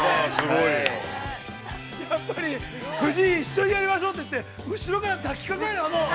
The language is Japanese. すごい。◆やっぱり夫人、一緒にやりましょうと言って、後ろから抱きかかえる、あの。